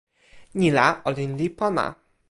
ni la, olin li pona.